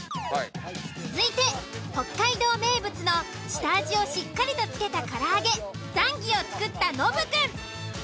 続いて北海道名物の下味をしっかりと付けた唐揚げザンギを作ったノブくん。